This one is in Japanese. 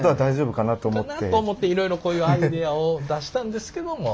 かなと思っていろいろこういうアイデアを出したんですけども。